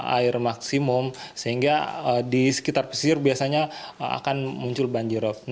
air maksimum sehingga di sekitar pesisir biasanya akan muncul banjirop